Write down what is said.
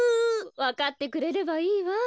わかってくれればいいわ。